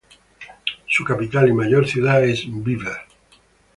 Su capital y mayor ciudad es Beaver.